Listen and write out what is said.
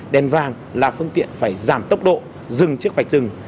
đèn vàng là phương tiện phải giảm tốc độ dừng chiếc vạch dừng